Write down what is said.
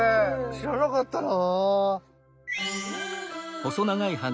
知らなかったな。